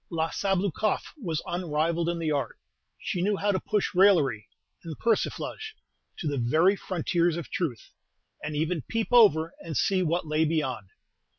La Sabloukoff was unrivalled in the art. She knew how to push raillery and persiflage to the very frontiers of truth, and even peep over and see what lay beyond.